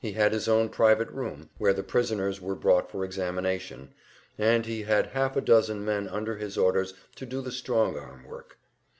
He had his own private room, where the prisoners were brought for examination, and he had half a dozen men under his orders to do the "strong arm" work.